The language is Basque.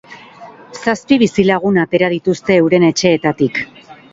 Zazpi bizilagun atera dituzte euren etxeetatik.